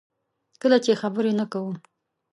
کله چې خبرې نه کوو.